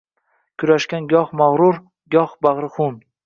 Kurashgan goh mag’rur, goho bag’ri xun.